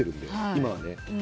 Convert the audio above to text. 今はね。